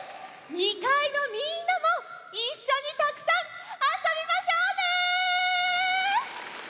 ２かいのみんなもいっしょにたくさんあそびましょうね！